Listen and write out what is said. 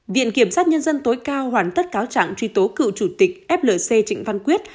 viện kiểm sát nhân dân tối cao hoàn tất cáo trạng truy tố cựu chủ tịch flc trịnh văn quyết